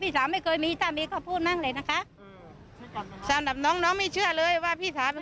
ขอให้เขารับเบนรับกรรมตามพี่สาวไป